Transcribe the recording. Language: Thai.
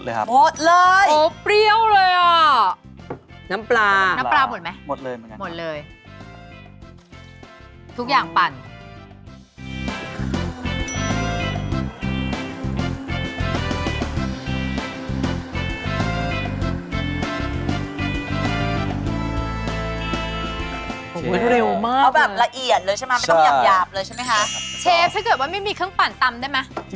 โอ้โฮเร็วมากเลยนะครับเชฟถ้าเกิดว่าไม่มีเครื่องปั่นตำได้ไหมครับ